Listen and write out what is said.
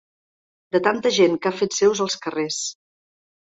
De tanta gent que ha fet seus els carrers.